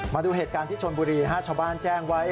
มาดูเหตุการณ์ที่ชนบุรีชาวบ้านแจ้งไว้